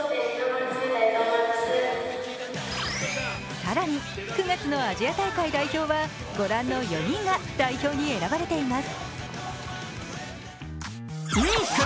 更に９月のアジア大会代表はご覧の４人が代表に選ばれています。